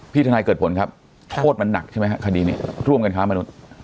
พี่ทนายเกิดผลครับโคตรมันหนักใช่ไหมฮะคดีนี้ร่วมกันคะมานุน